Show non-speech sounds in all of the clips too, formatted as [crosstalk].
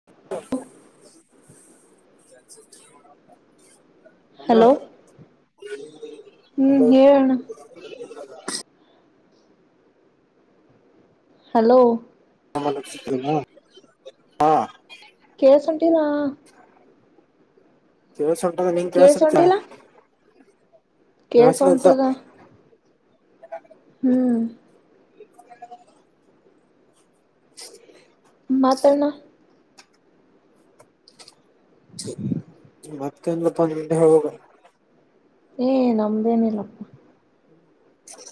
[unintelligible] Hello ಹ್ಮ್ hello ಹೇಳಣ [unintelligible] hello ಹಾ ಕೇಸಟೀರಾ ಕೆೇಳ ಸಟ ನೀಂ ಕೇಳ್ಸ ಕೆೇಳಸಲ್ತ. ಕೇಸ ಉಂಟದ ಹ್ಮ್ ಹ ಮಾತ್ರಣ ಮತ್ತೆಂದ ಗತ್ತೊಂದ ಗಂಟೆ ಹಳ್ವ ಏ ನಮ್ದೇನಿಲ್ಲಪ್ಪ ಹ್ಮ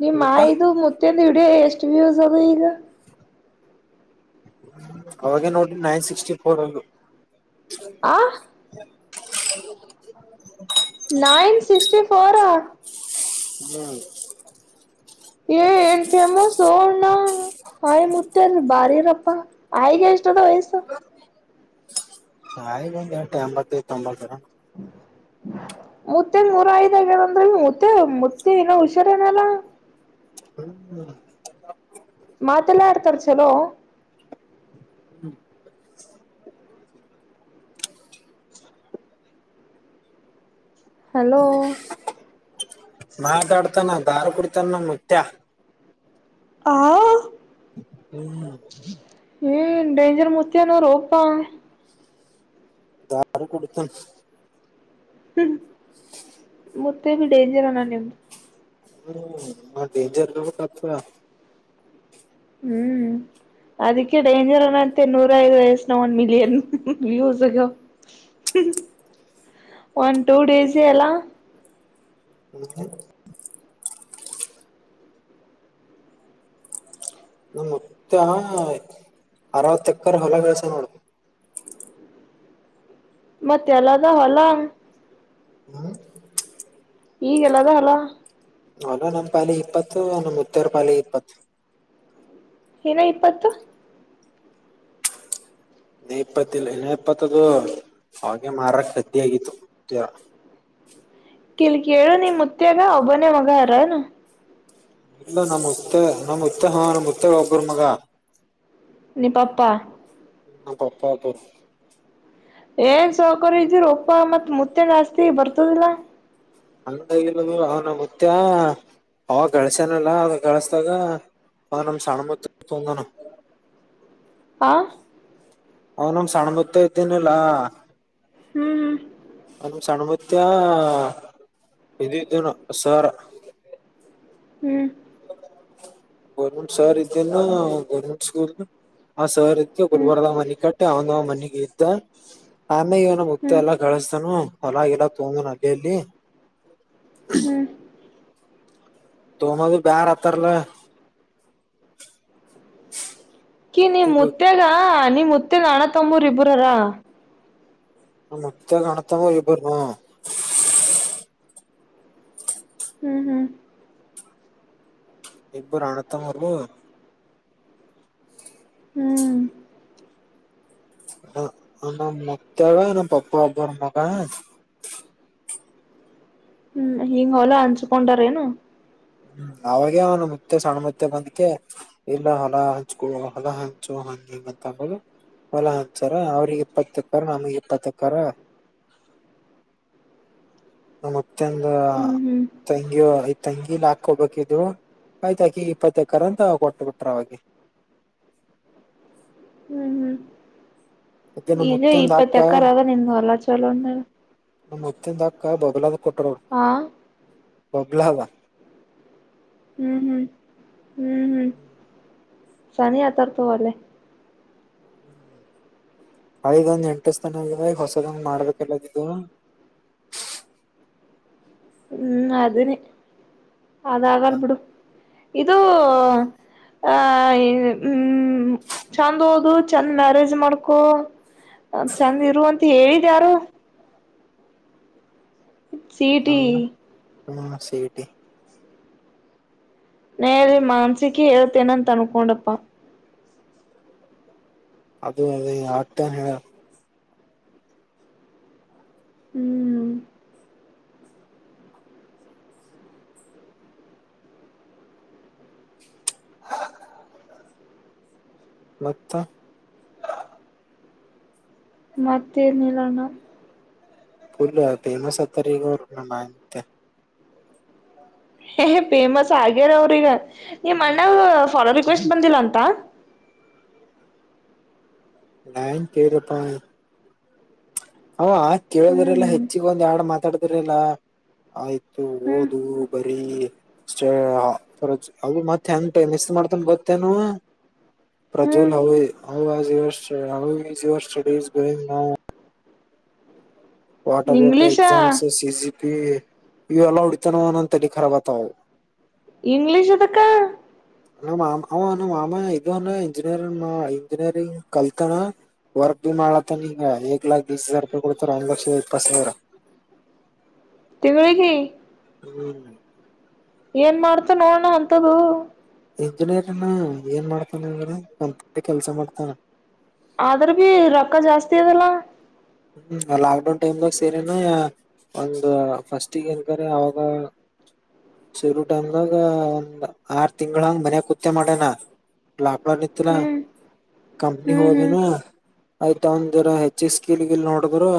ನಿ್ ಮಾ ಊಟ ಇದು ಮುತ್ತಂದು ಇಡಿಯ ಎಷ್ಟ್ ವ್ಯೂಸ್ ಅದ ಈಗ ಅವಾಗೇ ನೋಡ್ರಿ ನೈನ್ ಸಿಕ್ಸ್ಟಿ ಫೋರ್ ಅದು ಆ [unintelligible] ನೈನ್ ಸಿಕ್ಸ್ಟಿ ಫೋರಾ. ಹ್ಮ್ ಏ ಏನ್ ಫೇಮಸ್ ಅಣ್ಣಾ ಆಯ್ ಮುತ್ತ್ಯಲ್ ಬಾರಿರಪ್ಪಾ ಆಯಗೆ ಎಷ್ಟದ ವಯಸ್ಸ? ಹ ಈ ಒಂದು ಎಷ್ಟು ಎಂಬತ್ತ ತೊಂಬತ್ತರ. [unintelligible] ಮುತ್ತೆ ಮೂರ ಐದಗ್ಯಾರಂದ್ರೀ ಮುತ್ತೆ ಮುತ್ತೆ ಇನ್ನ ಹುಷಾರನಲ್ಲಾ? ಹ್ಮ್ ಮಾತೆಲ್ಲಾ ಎಡ್ತರ ಚಲೋ ಹ್ಮ್ [inaudible] ಹಲೋ ಮಾತಾಡ್ತಾನ ದಾರ ಕುಡಿತಾನ ಮುತ್ಯ. ಆ ಹ್ಮ್ ಹಏ ಡೇಂಜರ್ ಮುತ್ಯೆಯನು ರೋಪಾ. ದಾರಿ ಕೊಡ್ತು ತಿನ್ [inaudible] ಮತ್ತೆ ಡೆೇಂಜರ್ ನಾನ ನಿಮ್ಮ. ಹ್ಮ ಡೇಂಜರ್ಗ ಕತವಾ ಹ್ಮ್ ಅದಕ್ಕೆ ಡೇಂಜರ್ನಂತೆ ನೂರ ಐದು ವಯಸ್ಸನ ಒಂದ್ ಮಿಲಿಯನ್ ವ್ಯೂಸ್ಗ ಒನ್ ಟೂ ಡೇಸ್ ಎಲ್ಲ ಹೌ ನ ಮತ್ತ ಅರವತ್ತ ಎಕ್ಕರ್ ಹೊಲ ಕೆಳ್ಸ ನೋಡ. ಮತ್ತೆ ಎಲ್ಲದ ಹೊಲಾಂಗ್ ಹ್ಮ ಈಗೆಲ್ಲದ ಹೋಲ ನಲ್ಲ ನಮ್ ಪಾಲ ಇಪ್ಪತ್ತು ನಮ್ಮ್ ಮುತ್ತರ ಪಾಲ ಇಪ್ಪತ್ತು ಏನೋ ಇಪ್ಪತ್ತು ಇ ಇಪ್ಪತ್ತ ಇ ಇಪ್ಪತ್ತದು ಅವೆ ಮಾರಕ್ ರದ್ದಿ ಆಗಿತ್ತು ಕಿಲ್ ಕೇಳು ನಿ ಮುತ್ಯಾಗ ಒಬ್ಬನೇ ಮಗ ಅರಾನ. ಇಲ್ಲ ನಮ್ ಮುತ್ತ ನಮ್ ಮುತ್ಯಾಗ್ ನಮ್ ಮುತ್ಯಾಗ್ ಒಬ್ಬರ ಮಗ. ನಿ ಪಪ್ಪಾ. ಹ್ಮ ನಮ್ ಪಪ್ಪಾ ಅದಾರ್. ಏನ್ ಸೌಕಾರ ಇದೀರೋಪಾ ಮತ್ ಮುತ್ಯಾಗ ಆಸ್ತಿ ಬರ್ತದ್ ಲಾ. ಹಂಗ ಇಲ್ಲ ಅದು ಅವ್ ನಮ್ ಮುತ್ಯಾ. ಅವ ಗಳಸ್ಯಾನಲ್ಲ ಆ ಗಳಸ್ದಾಗ ಅವ ನಮ ಸಣ್ಣ ಮುತ್ಯಾ ತಂಗೋಡಾನ. ಹಾ. ಅವ್ ನಮ ಸಣ್ಣ ಮುತ್ಯಾ ಇದಿನಲ್ಲಾ. ಹ್ಮ್. ನಮ್ ಸಣಮುತ್ಯಾ ಇದು ಇದದ ಸರ್. ಹ್ಞ. ಗೋರ್ಮೆಂಟ್ ಸರ್ ಇದ ಗೋರ್ಮೆಂಟ್ ಸ್ಕೂಲ್ ಸರ್. ಹ್ಮ್ ಗುಲ್ಬರ್ಗ ದಾಗ್ ಮನಿ ಕಟ್ಟೆ ಅವಂದವ್ ಮನೆಗೆ ಇದ್ದ ಆಮೇಗ್ ಇವನ ಮುುತ್ಯಾ ಹ್ಮ್ ಎಲ್ಲ. ಗಳಸ್ತಾನು ಹೊಲಾಗಿಲ್ಲ ತೊಂದಾನು ಅಲ್ಲೆ ಇಲ್ಲಿ. ಹ್ಮ್. ತೋಮ್ಮೋದು ಬ್ಯಾರ ಅತ್ತಾರಲ್ಲ. ಕ ನೀಮ್ ಮುತ್ಯಾಗ ನೀಮ್ ಮುತ್ಯಾಗ್ ಅಣ ತಮ್ಮೂರ್ ಇಬ್ರ ಅರ. ನಮ್ ಮುತ್ಯಾಗ್ ಅಣತಮ್ಮ ಇಬ್ಬರು ಹು. ಹ್ಮ್ ಹ್ಮ್. ಇಬ್ಬರು ಅಣತ್ತಮ್ಮರು. ಹ್ಮ್. ನಮ್ ಮುತ್ಯಾಗ ನಮ್ಮ ಪಪ್ಪ ಒಬ್ಬರ ಮಗ. ಹ್ಮ್ ಹಿಂಗ ಹೊಲಾ ಹನ್ಚ್ಕೋಡಾರ್ ಏನ್. ಹ್ಮ್ ಅವಾಗ ಅವನು ಮುತ್ಯಾ ಸಣ್ಣ ಮುತ್ಯಾ ಬಂದ ಕ್ಯಾ. ಇಲ್ಲ ಹೊಲ ಹಂಚ್ಕೋ ಹೊಲ ಹಂಚು ಹಂಗ್ ಹಿಂಗ್ ಅಂತ ಅನ್ನೋದು. ಹೊಲಾ ಹಂಚ್ಯಾರ್ ಅವ್ರಿಗೆ ಇಪ್ಪತ್ತಕ್ಕರ ನಮಗ್ ಇಪ್ಪತ್ತಕ್ಕರ. [inaudible] ನಮ್ ಮುತ್ಯಾದ್ ಹ್ಮ್ ಹ್ಮ್ ತಂಗಿ ತಂಗಿ. ಕಿ ಒಬ್ಬಕಿ ಇದ್ದಳು ಆಯ್ತ ಅಕಿಗ್ ಇಪ್ಪತ್ತ ಎಕರ್ ಅಂತ ಕೊಟ್ಟ ಬಿಟ್ರ ಅವಾಗೇ. ಹ್ಮ್ ಹ್ಮ್ ಅದೇ ನಮ್ ಇಗ ಮುತ್ಯಂದ ಅಕ್ಕ ಇಪ್ಪತ್ತ ಎಕ್ಕರಾದ ನಿನ್ ಎಲ್ಲಾ ಚಲೋ. ನಮ್ ಮುತ್ಯಾದ್ ಅಕ್ಕ್ ಬಬಲಾದಿಗ್ ಕೊಟಾರ್ ಅವ್ರ್. ಹಾ. ಬಬ್ಲಾವ. ಹ್ಮ್ ಹ್ಮ್ ಹ್ಮ್ ಹ್ಮ್ ಸನಿ ಆಗ್ ತಾರ್ ತುಗೋ ಅಲ್ಲೇ. ಐದ್ ಒಂದ್ ಎಂಟು ಸ್ಥಾನ ಅಲ್ ಹೊಸದೊಂದು ಮಾಡಕಲ್ಲಾಗಿದು. ಹ್ಮ್ ಅದನೇ ಅದಾಗಲ್ ಬಿಡು ಇದು. ಆ ಹ್ಮ ಚಂದ್ ಓದು ಚಂದ ಮ್ಯಾರೇಜ್ ಮಾಡ್ಕೊ. ಚಂದ್ ಇರುವ ಅಂತ ಹೇಳಿದ ಯಾರು. ಚಿಟಿ. ಹ ಸಿಇಟಿ. ನಾ ಎಲ್ಲಿ ಮಾನಸಿಕಿ ಹೇಳ್ತಿ ಏನ್ ಅಂತಾ ಅನ್ಕೊಂಡಪ್ಪಾ. [inaudible] ಅದು ಅ ಆಟನ್ ಹೇಳ. ಹ್ಮ್. ಮತ್ತ. ಮತ್ತೆನಿಲ್ ಅಣ್ಣಾ. ಪುಲ್ ಫೇಮಸ್ ಆತ್ತಾರ ಈಗ ಅವರು ನಮ್ ಮಾಂತ್ಯಾ. ಹೇ ಫೇಮಸ್ ಆಗ್ಯಾರ ಅವ್ರೀಗ ನೀಮ್ ಅಣ್ಣಾಗ ಫಾಲೋ ರಿಕ್ವೆಸ್ಟ್ ಬಂದಿಲ್ಲ ಅಂತ. ನಾ ಏನ್ ಕೇಳಿಲಪ್ಪಾ. ಹ ಆ ಕೇಳದ್ರಲ್ಲ ಹ್ಮ್ ಹೆಚ್ಚಗ ಒಂದ್ ಎಡು ಮಾತಾಡುದ್ರಲ್ಲ ಆಯ್ತು ಹಓದು ಬರೀ ಅಷ್ಟೇರ ಅದು ಮತ್ತೆ ಎಂಟ ಮಿಸ್ತ್ ಮಾಡ್ತಾನೆ ಗೊತ್ತೇನೋ ವಾ ಪ್ರಜ್ವಲ್ ಹ್ಮ್ ಹೌ ಹ [unintelligible] ವಾಟರ್ ಬೋರ್ಡ್ ಇಂಗ್ಲಿಷಾ ಎಕ್ಸಾಮ್ಸ್ ಸಿ ಸಿ ಪಿ ಇವೆಲ್ಲ ಹೊಡಿತಾನನನ್ ತಲಿ ಕರಬ್ ಅತವು ಇಂಗ್ಲಿಷ್ ಅದ ಕ ನಮ್ಮ ಮಾ ಹ ನಮ್ಮ್ ಮಾಮ ಇದುನ್ನ ಇಂಜಿನಿಯರಿ ಇಂಜಿನಿಯರಿಂಗ್ ಕಲ್ತಾನ ವರ್ಕ್ ಬಿ ಮಾಡಲತ್ತ ನಿಗ ಯಾಕ್ ಲಾಕ್ ಬಿಸಾಕ್ ಬಿಡ್ತಾರೆ ಒಂದು ಲಕ್ಷದ ಇಪ್ಪತ್ತು ಸಾವಿರ ತಿಂಗಳಿಗೆ ಹ್ಮ್ ಏನ್ ಮಾಡ್ತ ಅವನ್ನ ಅಂತದು ಇಂಜಿನಿಯರಿಂಗ್ ಏನ್ ಮಾಡ್ತಾನ ಅಂದ್ರೆ ಕಂಪ್ಯೂಟರ್ ಕೆಲ್ಸ ಮಾಡ್ತಾನ ಆದ್ರ ಬಿ ರೊಕ್ಕ ಜಾಸ್ತಿ ಅದಲ್ಲಾ ಹ್ಮ್ ಲಾಕ್ಡೌನ್ ಟೈಮ್ ದಾಗ ಸೇರನಾ ಯಾ ಒಂದ ಫಸ್ಟಗ ಏನ್ಕ್ರ ಅವಾಗ ಶುರು ಟೈಮ್ದಾಗ ಒಂದ್ ಆರು ತಿಂಗಗಳ ಹಂಗ್ ಮನ್ಯ ಕತ್ ಮಾಡ್ಯನ ಲಾಕ್ಡೌನ್ ಇತ್ತರ ಹ್ಮ್ ಕಂಪ್ನಿ ಹ್ಮ್ ಹ್ಮ್ ಹೋದನು ಆಯ್ತ ಒಂದ ದರ ಹೆಚ್ಚ ಕೀಲಿಗಲ್ ನೋಡಿದ್ರು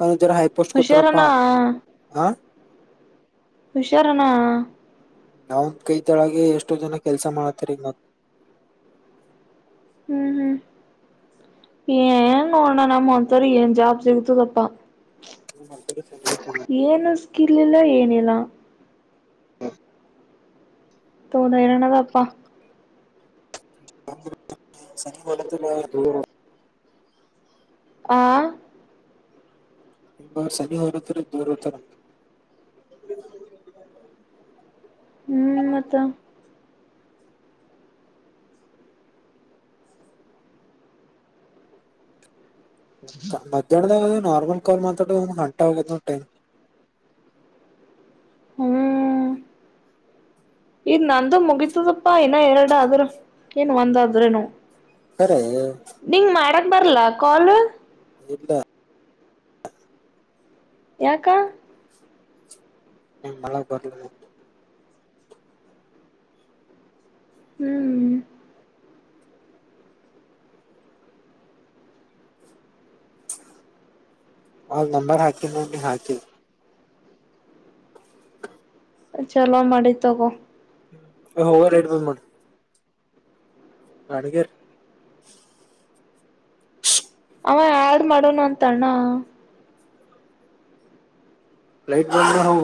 ನ ಜರ ಹೈಪೋಸ್ಟ್ ಕೊಟಾರಪ್ಪಾ ಹುಷಾರನಾ ಹ ಹುಷಾರನಾ ನಾವಂದ್ ಕೈ ತೊಳಗೆ ಎಷ್ಟೋ ಜನ ಕೆಲ್ಸ ಮಾಡತರಿ ಹ್ಮ್ ಹ್ಮ್ ಏನು ಅಣ್ಣ ನಮ್ಮ ಒಂತರಿ ಏನ್ ಜಾಬ್ ಸಿಗತು ತಪ್ಪಾ [unintelligible] ಏನು ಸ್ಕಿಲ್ ಇಲ್ಲ ಏನಿಲ್ಲ [unintelligible] ಅಪ್ಪಾ [unintelligible] ಆ ಒರು ಸನಿ ಹೋಗ ಹತ್ತ ದೂರ ಹತಾರ ಹ್ಮ್ ಮತ್ತ ಮಧ್ಯಾಹ್ನದಾಗ ನಾರ್ಮಲ್ ಕಾ ಮಾತಾಡ ಒಂದ್ ಗಂಟ ಹೋಗೋದ ನೋ ಟೈಮ್ ಹ್ಮ್ ಇನ್ ನಂದು ಮುಗಿತದಪ್ಪಾ ಇನ್ನ ಎರಡ ಆದ್ರ ಏನ್ ಒಂದ ಆದ್ರೆನು ಕರೆ ನಿಂಗ ಮಾಡಕ್ ಬರ್ಲ ಕಾಲ್ ಇಲ್ಲ ಯಾಕ ನಂಗೆ ಮಾಡೋಕೆ ಬರಲ್ಲ ಹ್ಮ್ ಅವನ್ ನಂಬರ್ ಹಾಕಿದಿ ನೋಡು ಹಾಕಿ ನೀ ಚಲೋ ಮಾಡಿ ತಗೋ ಲೈಟ್ ಬಂದ್ ಮಾಡ [inaudible] ಅಡುಗೆ ರಿ [inaudible] [inaudible] ಅವ ಯಡ್ ಮಾಡೋಣ ಅಂತ ಅಣ್ಣ ಲೈಟ್ ಬಂದ್ರ ಅವು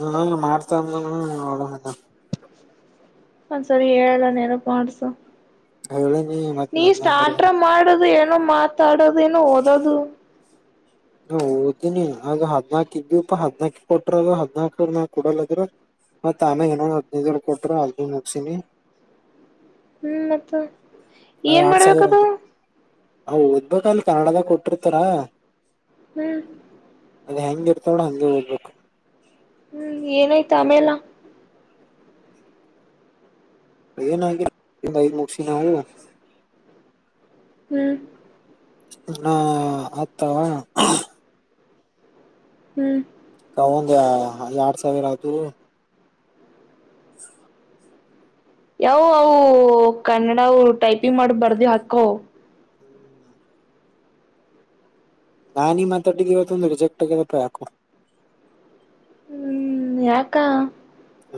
ಹಾ ಮಾಡ್ತಾ ಅಂದ ನೋಡ ಮಾಂತಾ ಒಂದ್ ಸರಿ ಹೇಳು ನೆನಪು ಮಾಡ್ಸು ಹೇಳ ನೀ ನೀ ಸ್ಟಾರ್ಟ್ರ ಮಾಡದು ಏನೋ ಮಾತಾಡೋದು ಏನೋ ಓದದು ನಾ ಓದೀನಿ ಆಗ ಹದ್ನಾಕ ಇದ್ವಿಪ ಹದ್ನಾಕ ಕೊಟ್ರಾಗ ಹದ್ನಾಕ ನ ಕೊಡಲ್ಲದ್ರ ಮತ್ತ ಆಮೇ ಏನೋ ಹದಿನೈದು ಕೊಟ್ಟರು ಹದ್ ನೈದು ಮುಗಗ್ಸಿನಿ ಹ್ಮ್ ಮತ್ತ ಏನ್ ಮಾಡ್ಬೇಕದು [unintelligible] ಹ ಓದ್ಬೇಕಕ್ ಅಲ್ಲಿ ಕನ್ನಡದಾಗ ಕೊಟ್ಟಿರ್ತಾರಾ [unintelligible] ಹ್ಮ್ [unintelligible] ಅದ ಹೆಂಗ ಇರ್ತಾವ್ರ ಹಂಗೆ ದ್ಬೇಕು [unintelligible] ಹ್ಮ್ ಏನಾಯ್ತು ಆಮೇಲೆ [unintelligible] ಏನೆೈಗ್ ಮುಗಸ ನಾವು [unintelligible] ಹ್ಮ್ [unintelligible] ಹಾ ಆತವಾ [unintelligible] ಹ್ಮ್ [unintelligible] ಕೌಂದ ಎರಡ್ ಸಾವಿರ ಆತು [unintelligible] [unintelligible] ಯಾವ ಅವು ಕನ್ನಡ ಅವ ಟೈಪಿಂಗ್ ಮಾಡ ಬರ್ದ ಹಾಕ್ಕ [unintelligible] ಹ್ಮ್ [unintelligible] ನಾ ಈಗ್ ಮಾತಾಡ್ಡ ಇವತ್ತು ಒಂದು ರಿಜೆಕ್ಟ್ ಆಗರಪ್ಪ ಯಾಕು [unintelligible] ಹ್ಮ್ ಯಾಕಾ [unintelligible] ಹ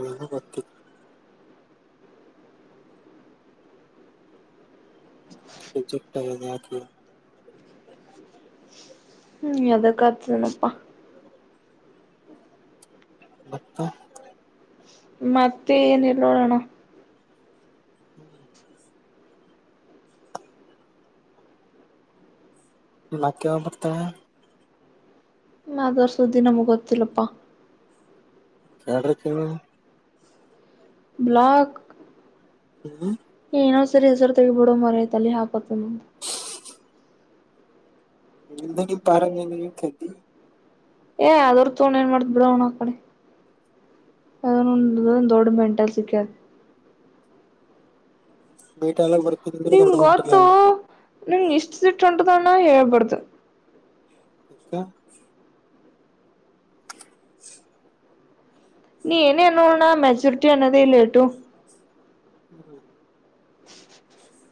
ಕ [unintelligible] ಹ [unintelligible] ಚೆಕ್ ಯಾಕಿ [unintelligible] ಹ್ಮ್ ಅದಕ್ಕತದನಪ್ಪಾ [unintelligible] ಬತ್ತು [unintelligible] ಮತ್ತೆ ಏನಲ್ಲೋಡೋಣ [unintelligible] ಹ್ಮ್ [unintelligible] ನಾಕವ ಬರ್ತವೆ [unintelligible] ದವರ್ ಸುದ್ದಿ ನಮ್ಗ್ ಗೊತ್ತಿಲ್ಲಪ್ಪಾ [unintelligible] ಕಡ್ರಕ್ಕೆ [unintelligible] ಬ್ಲಾಕ್ [unintelligible] ಹ್ಮ್ [unintelligible] ಏನೋ ಸರಿ ಹೆಸರು ತಗಿಬ ಬಿಡೋ ಮರ ಐತ್ ಅಲ್ಲಿ ಹಾಕತ [unintelligible] [unintelligible] ಜಿಂದಿ ಬಾರ ಮ ನೀತಿ [unintelligible] ಏ ತಗೊಂಡ ಏನ್ ಮಾಡ್ ಬಿಡ ಅವಣ್ಣ ಕಡೆ [unintelligible] ಅದೊ ದೊಡ್ಡ ಮೆಂಟಲ್ ಸಿಕ್ಯತ್ [unintelligible] ಬೀಟ ಎಲ್ಲ ಬರ್ [unintelligible] ನಿನ್ ಗೊತ್ತು ನಂಗ ಇಷ್ಟ ಸಿಟ್ಟ ಉಂಟದಣ್ಣ ಹೇಳ್ಬಾರ್ದು [unintelligible] [unintelligible] [unintelligible] ನೀ ಏನೇ ಅ ನೋಡಣ್ಣ ಮೆಚುರಿಟಿ ಅನ್ನೊ [unintelligible] ಇಲ್ಲೇಟು ಹ್ಮ್ [unintelligible] ಹ [unintelligible]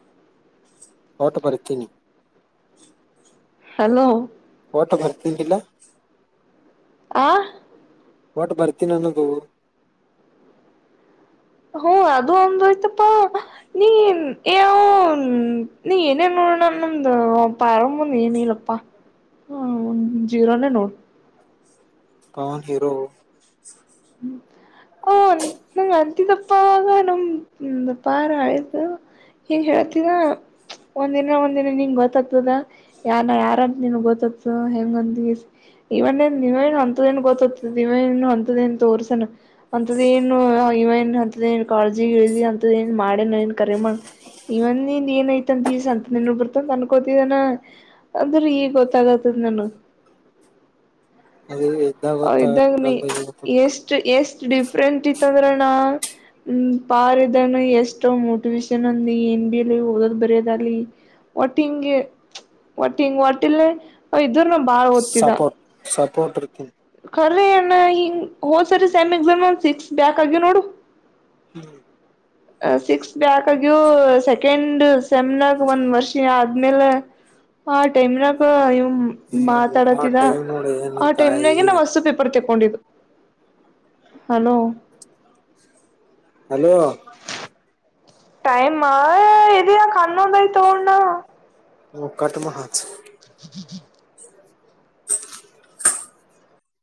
ಓಟು ಪರಿತೀನಿ [unintelligible] ಹಲೋ [unintelligible] ಟ ಭರ್ತಿ ಇಲ್ಲ [unintelligible] ಆ [unintelligible] ಓಟ್ಟ ಬರ್ತೀನಿ ಅನ್ನೋದು [unintelligible] ಹೋ ಅದು ಒಂದು ಆಯ್ತಪ್ಪ [unintelligible] ನೀ ನೀ ಏನೇ ನೋಡಣ ನ್ದ ಪರಂದ್ ಏನ ಇಲ್ಲ [unintelligible] ಹ ಒ ಜೀರೋನೇ ನೋಡು [unintelligible] ಪವನ್ ಹೀರೋ [unintelligible] ಹ್ಮ್ [unintelligible] ಹಓ ನ ಅಂತಿತಪ್ಪಾಗ ನ ಪಾರ ಅಳತ [unintelligible] ಹಿಂಗ್ ಹೇಳ್ ತ್ಯ ಒಂದಿನ ಒಂದಿನ ನಿನ್ ಗೊತ್ತತದ ಯಾರ ಯಾರಂತ ನಿನ್ಗ್ ಗೊತ್ತತ ಹೆಂಗಂದ. ಇವನ್ನೇನ್ ನೀವೇನ್ ಒಂದೇನ್ ಗೊತ್ತದೆ ಇವಾಗೇನ್ ಅಂತದೇನ್ ತೋರ್ಸಣ ಅಂತದೇನು ಇವ ಎನ್ ಅಂತದೆನ್ ಕಾಳ್ಜಿ ಗಿಳ್ಜಿ ಅಂತದ ಏನ್ ಮಾಡ್ಯನ ಏನ್ ಕರೆ ಮಾ ಇವನ್ ನಿಂದ್ ಏನ್ ಐತ್ ಇ ದಿವ್ಸ ಅಂತ ನೀನು ಬಿರ್ತ ಅನ್ಕೋತಿದನ ಅಂದ್ರೆ ಈಗ ಗೊತ್ತಾಗತದ ನನ್ಗ್ ಅದು ಯುದ್ಧ ಗೊತ್ತ ಇದಾಗ ನೀ [unintelligible] ಎಷ್ಟ್ ಎಷ್ಟ್ ಡಿಫ್ರೆಂಟ್ ಇತ್ತ ಅಂದ್ರಣ್ಣ. ಹ್ಮ ಪಾರಿದಾನ ಎಷ್ಟ ಮೋಟಿವೇೇಶನ್ ಅಂದ ಹಿಂದಿ ಲಿ ಅಲ್ಲಿ ಓದೋದ್ ಬರ್ಯೋದಾಲಿ. ಒಟ್ಟಿಂಗೆ ಒಟ್ಟಿಂಗ್ ಹೊಟ್ಟಿ ಲ್ಲೆ ಇದನ್ನು ಬಾ ಸಪೋಟ್ ಸಪೋರ್ಟ್ ಇರ್ತಿನ್ ಖರ್ರಣ್ಣ ಹಿಂಗ್ ಹೊಸರಿ ಸೆಮ್ ಎಕ್ಸಮಾಗ್ ಸಿಕ್ಸ್ ಬ್ಯಾಕ್ ಆಗಿವ್ ನೋಡು. ಹ್ಮ್ ಸಿಕ್ಸ್ ಬ್ಯಾಕ್ ಆಗ್ಯವು ಸೆಕೆಂಡ್ ಸೆಮ್ನಾಗ್ ಒಂದ್ ವರ್ಷಿ ಆದ್ಮೇಲೆ. ಹಾ ಟೈಮಿನಾಗ ಆ ಮಾತಾಡತಿದ ಟೈಮ್ ನೋಡಿ ಏನು ಆ ಟೈಮ್ನಾಗೆ ತಾಯಿ ನಾ ವಸ್ಸು ಪೇಪರ್ ತಗೊಂಡಿದ್ದು. ಹಲೋ ಹಲೋ ಟೈಮ್ ಆ ಇದ್ ಯಾಕ್ ಹನ್ನೊಂದ್ ಆಯ್ತೊ ಅಣ್ಣ. ಒ ಕಟ್ ಮಡ್ ಹಚ್. [inaudible]